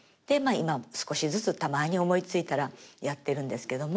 今も少しずつたまに思いついたらやってるんですけども。